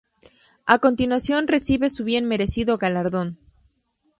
A continuación reciben su bien merecido galardón.